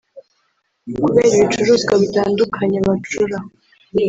kubera ibicuruzwa bitandukanye bacura